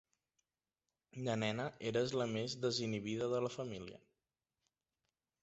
De nena eres la més desinhibida de la família.